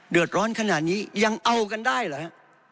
เดือดร้อนขนาดนี้ยังเอากันได้หรือ